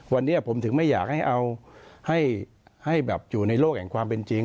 วันนี้ผมถึงไม่อยากให้เอาให้อยู่ในโลกแห่งความเป็นจริง